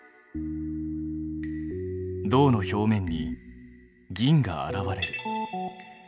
銅の表面に銀が現れる。